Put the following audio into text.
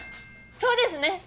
そうですね！